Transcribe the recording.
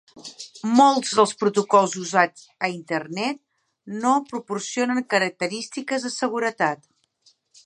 Molts dels protocols usats a Internet no proporcionen característiques de seguretat.